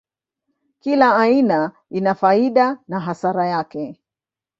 Kila aina ina faida na hasara yake.